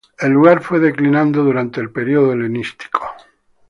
El lugar fue declinando durante el periodo helenístico.